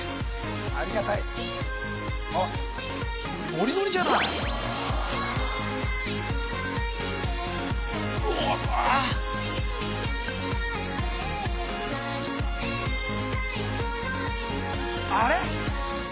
ありがたいのりのりじゃないあれ？